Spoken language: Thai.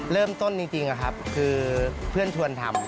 เริ่มต้นจริงครับคือเพื่อนชวนทำ